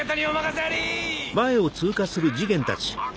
あっ！